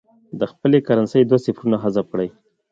د خپلې کرنسۍ دوه صفرونه حذف کړي.